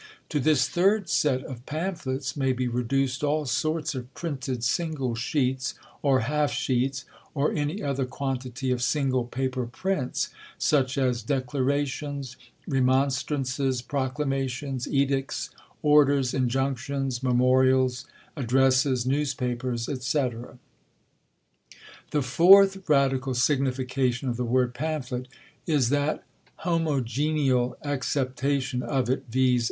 To this third set of Pamphlets may be reduced all sorts of printed single sheets, or half sheets, or any other quantity of single paper prints, such as Declarations, Remonstrances, Proclamations, Edicts, Orders, Injunctions, Memorials, Addresses, Newspapers, &c. The fourth radical signification of the word Pamphlet is that homogeneal acceptation of it, viz.